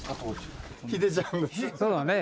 そうだね。